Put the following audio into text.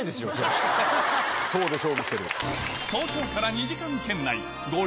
層で勝負してる。